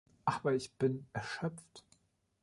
Aber ich bin erschöpft.